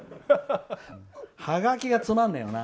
ハガキがつまんねえよな。